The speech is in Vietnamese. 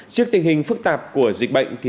trước tình hình phức tạp của dịch bệnh